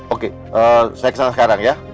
oke saya kesana sekarang ya